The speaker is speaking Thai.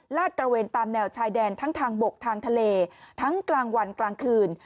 ตระเวนตามแนวชายแดนทั้งทางบกทางทะเลทั้งกลางวันกลางคืน